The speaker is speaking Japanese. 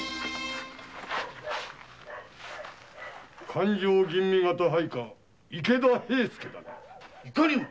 勘定吟味方配下・池田兵助だないかにも。